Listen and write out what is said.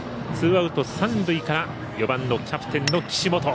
ツーアウト、三塁から４番のキャプテン、岸本。